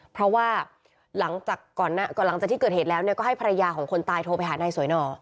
เพราะว่าหลังจากที่เกิดเหตุแล้วก็ให้ภรรยาของคนตายโทรไปหานายสวยนอ